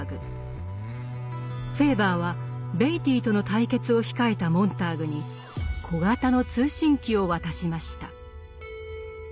フェーバーはベイティーとの対決を控えたモンターグに小型の通信機を渡しました。